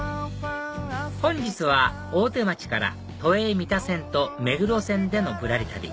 本日は大手町から都営三田線と目黒線でのぶらり旅